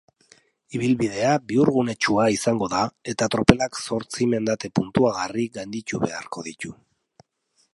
Ibilbidea bihurgunetsua izango da eta tropelak zortzi mendate puntuagarri gainditu beharko ditu.